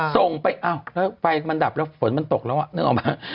ส่งไปอ้าวแล้วไฟมันดับแล้วฝนมันตกแล้วนึกออกมา